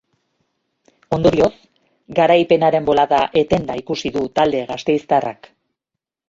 Ondorioz, garaipenen bolada etenda ikusi du talde gasteiztarrak.